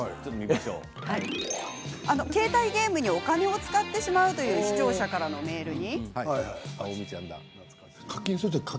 携帯ゲームにお金を使ってしまうという視聴者からのメールに。